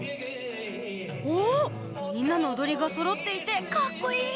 おおみんなのおどりがそろっていてかっこいい！